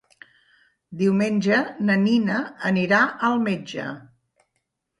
Diumenge na Nina anirà al metge.